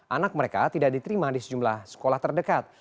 anak mereka tidak diterima di sejumlah sekolah terdekat